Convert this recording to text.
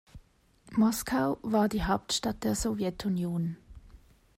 Moskau war die Hauptstadt der Sowjetunion.